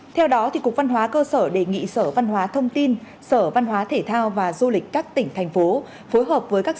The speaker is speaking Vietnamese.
theo đó cục văn hóa cơ sở đề nghị sở văn hóa thông tin sở văn hóa thể thao và du lịch các tỉnh thành phố